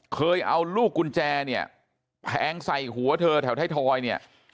เคยเอาลูกกุญแจเนี่ยแทงใส่หัวเธอแถวไทยทอยเนี่ย